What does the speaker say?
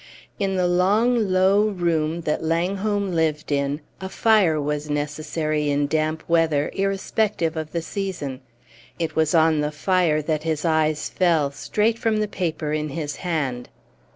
In the long, low room that Langholm lived in a fire was necessary in damp weather, irrespective of the season. It was on the fire that his eyes fell, straight from the paper in his hand